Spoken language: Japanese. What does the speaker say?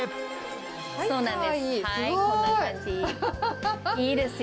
そうなんです。